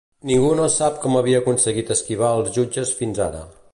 Ningú no sap com havia aconseguit esquivar els jutges fins ara.